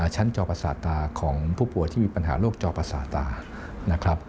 ชั้นจอประสาทตาของผู้ป่วยที่มีปัญหาโรคจอประสาทตานะครับ